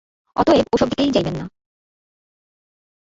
অতএব ও-সব দিকেই যাইবেন না।